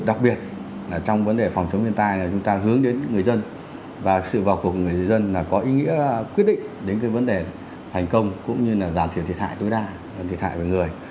đặc biệt là trong vấn đề phòng chống thiên tai là chúng ta hướng đến người dân và sự vào cuộc của người dân là có ý nghĩa quyết định đến cái vấn đề thành công cũng như là giảm thiểu thiệt hại tối đa thiệt hại về người